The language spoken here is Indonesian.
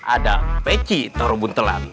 ada peci taruh buntelan